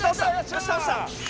よし倒した。